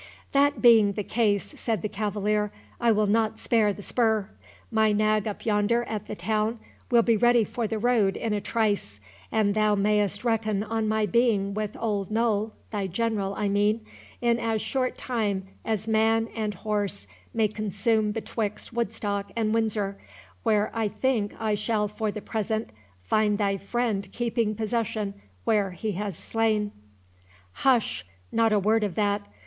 "That being the case," said the cavalier, "I will not spare the spur. My nag up yonder at the town will be ready for the road in a trice, and thou mayst reckon on my being with Old Noll—thy General, I mean—in as short time as man and horse may consume betwixt Woodstock and Windsor, where I think I shall for the present find thy friend keeping possession where he has slain." "Hush, not a word of that.